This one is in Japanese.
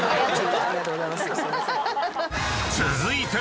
［続いて］